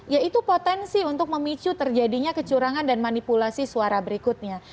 yaitu potensi untuk memicu terjadinya kecurangan dan manipulasi suara berikutnya